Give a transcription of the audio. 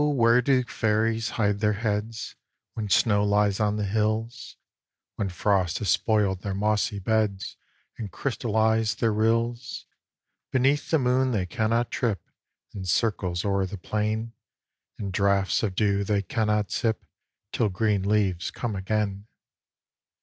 where do Fairies hide their heads, When snow lies on the hills When frost has spoiled their mossy beds, And crystallized their rills? Beneath the moon they cannot trip In circles o'er the plain; And draughts of dew they cannot sip, Till green leaves come again.